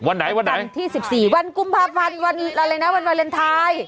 วันไหนวันไหนวันที่๑๔วันกุมภาพันธ์วันอะไรนะวันวาเลนไทย